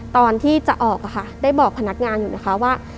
ตอนที่จะออกค่ะได้บอกพนักงานอยู่นะคะว่า